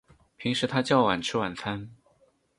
平时他较晚吃晚餐